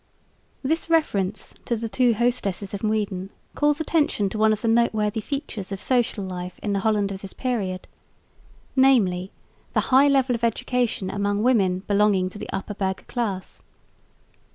This reference to the two hostesses of Muiden calls attention to one of the noteworthy features of social life in the Holland of this period namely, the high level of education among women belonging to the upper burgher class.